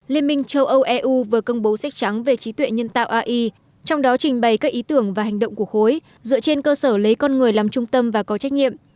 liên minh châu âu eu vừa công bố sách trắng về trí tuệ nhân tạo ai trong đó trình bày các ý tưởng và hành động của khối dựa trên cơ sở lấy con người làm trung tâm và có trách nhiệm